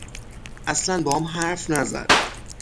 اصلا باهام حرف نزد